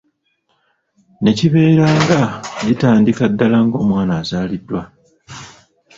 Ne kibeera nga gitandikira ddala ng’omwana azaaliddwa.